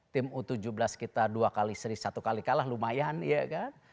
tim u tujuh belas kita dua kali seri satu kali kalah lumayan ya kan